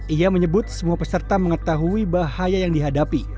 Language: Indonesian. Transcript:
ia menyebut semua peserta mengetahui bahaya yang dihadapi